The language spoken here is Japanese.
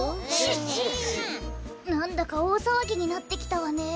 なんだかおおさわぎになってきたわね。